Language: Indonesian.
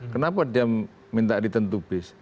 kenapa dia minta return to base